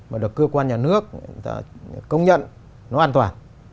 mà được cơ quan nhà nước công nhận nó an toàn